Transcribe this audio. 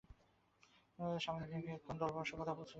স্বামীজী কিয়ৎক্ষণ পরে দলবলসহ তথায় পৌঁছিলেন।